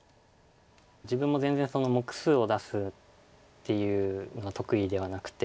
自分も全然目数を出すっていうの得意ではなくて。